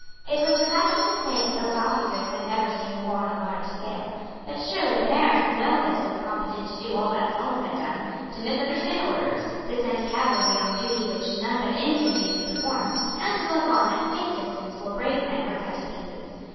It was the fashion to say that those officers had never seen war on a large scale. But surely the merest novice was competent to do all that Solmes had done, to misunderstand orders, to send cavalry on duty which none but infantry could perform, and to look on at safe distance while brave men were cut to pieces.